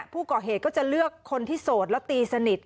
ผู้ก่อเหตุก็จะเลือกคนที่โสดแล้วตีสนิท